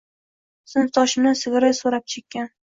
Sinfdoshimdan sigaret soʻrab chekkan.